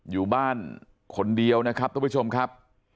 อยู่บ้านคนเดียวนะครับทุกผู้ชมครับ